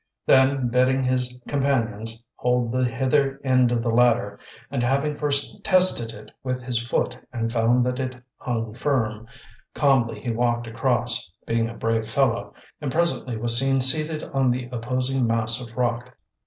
Then bidding his companions hold the hither end of the ladder, and having first tested it with his foot and found that it hung firm, calmly he walked across, being a brave fellow, and presently was seen seated on the opposing mass of rock.